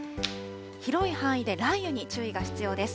広い範囲で雷雨に注意が必要です。